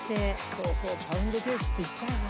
そうそうパウンドケーキっていったよな。